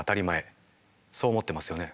そう思ってますよね？